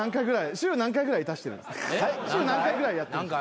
週何回ぐらいやってる？